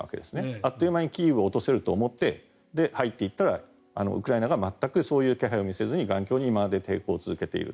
あっという間にキーウを落とせると思って入っていったらウクライナが全くそういう気配を見せずに頑強に抵抗をしている。